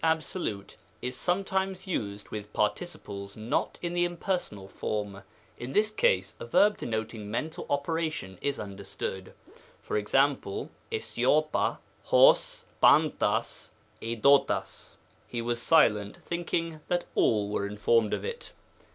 absolute is sometimes used with par ticiples not in the impersonal form. In this case, a verb denoting mental operation is understood. Ex.^ i6LG)'jiay €jg ndvrag dhorag^ " he was silent, (thinking) that all were informed of it."